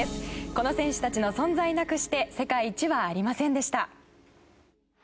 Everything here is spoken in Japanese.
この選手たちの存在なくして世界一はありませんでした。